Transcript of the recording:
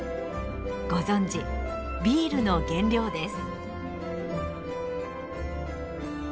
ご存じビールの原料です。